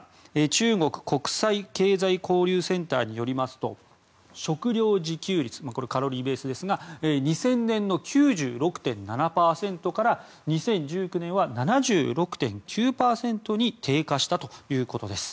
中国国際経済交流センターによりますと食料自給率、これはカロリーベースですが２０００年の９６．７％から２０１９年は７６．９％に低下したということです。